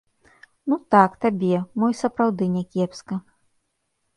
Ну так, табе, мо, і сапраўды, някепска.